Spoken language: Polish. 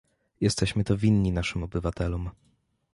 Jesteśmy to winni naszym obywatelom